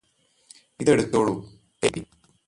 ഇതെടുത്തോളു ഏയ്